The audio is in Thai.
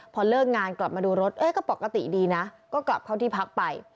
พอเลิกงานกลับมาดูรถก็ปกติดีนะก็กลับเข้าที่พักไป